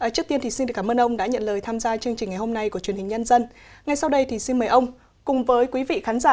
trước tiên xin cảm ơn ông đã nhận lời tham gia chương trình ngày hôm nay của truyền hình nhân dân